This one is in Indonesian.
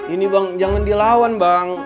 ini bang jangan dilawan bang